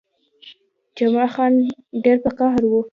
جمعه خان ډېر په قهر وو.